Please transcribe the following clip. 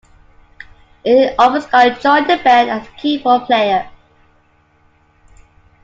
Elin Overskott joined the band as a keyboardplayer.